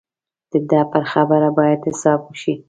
د ده پر خبره باید حساب وشي.